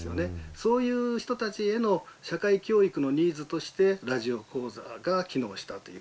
そういう人たちへの社会教育のニーズとしてラジオ講座が機能したという。